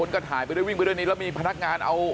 ชายภาพเอาไว้ได้